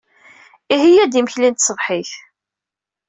Iheyya-d imekli n tṣebḥit.